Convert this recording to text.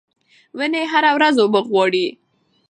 ونې هره ورځ اوبه غواړي.